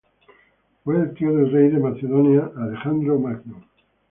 Fue el tío del rey de Macedonia Alejandro Magno.